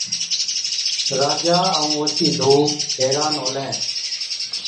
راجا ائُون اوڇِي ڌُو حيران هُلين،